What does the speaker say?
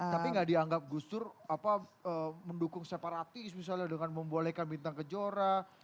tapi nggak dianggap gus dur mendukung separatis misalnya dengan membolehkan bintang kejora